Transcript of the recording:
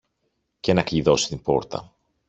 και να κλειδώσει την πόρτα.